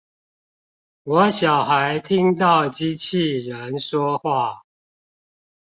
我小孩聽到機器人說話